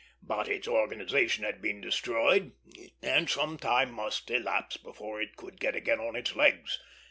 But its organization had been destroyed, and some time must elapse before it could get again on its legs.